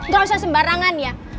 gak usah sembarangan ya